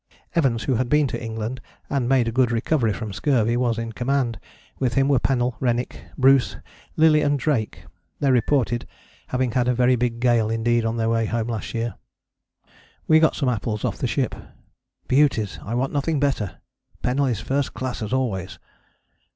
Evans, who had been to England and made a good recovery from scurvy, was in command: with him were Pennell, Rennick, Bruce, Lillie and Drake. They reported having had a very big gale indeed on their way home last year. We got some apples off the ship, "beauties, I want nothing better.... Pennell is first class, as always...."